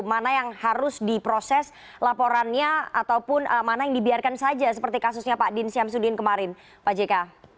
mana yang harus diproses laporannya ataupun mana yang dibiarkan saja seperti kasusnya pak din syamsuddin kemarin pak jk